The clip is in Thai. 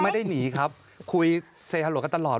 ไม่ได้หนีครับคุยเซฮัลวกันตลอด